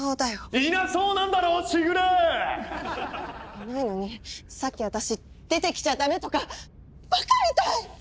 いないのにさっき私出てきちゃ駄目とかばかみたい！